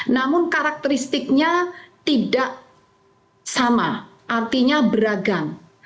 namun karakteristiknya tidak sama artinya beragam